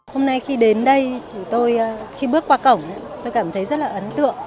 hôm nay khi đến đây khi bước qua cổng tôi cảm thấy rất là ấn tượng